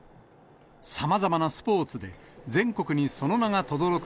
さまざまなスポーツで、全国にその名がとどろく